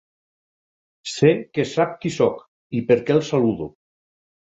Sé que sap qui soc i per què el saludo.